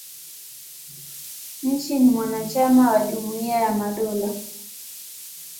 Nchi ni mwanachama wa Jumuia ya Madola.